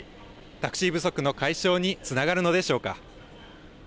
タクシー不足の解消につながるのでしょうか。